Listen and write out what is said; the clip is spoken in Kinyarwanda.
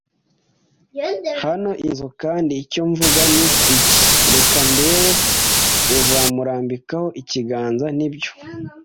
hano inzu, kandi icyo mvuga ni iki: reka ndebe uzamurambikaho ikiganza - nibyo